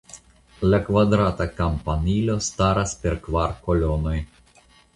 La kvadrata kampanilo staras per kvar kolonoj.